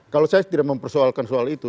kalau saya tidak mempersoalkan soal itu